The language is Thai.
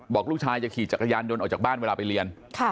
บอกลูกชายจะขี่จักรยานยนต์ออกจากบ้านเวลาไปเรียน